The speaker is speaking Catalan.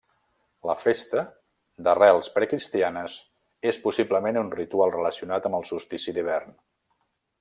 La festa, d'arrels precristianes, és possiblement un ritual relacionat amb el solstici d'hivern.